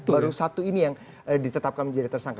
baru satu ini yang ditetapkan menjadi tersangka